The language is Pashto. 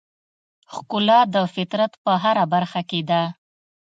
ښکلا د فطرت په هره برخه کې ده.